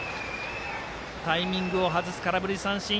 タイミングを外す空振り三振。